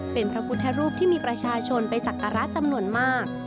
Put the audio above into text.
เป็นพระพุทธรูปที่มีประชาชนไปสักการะจำนวนมาก